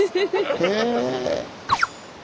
へえ。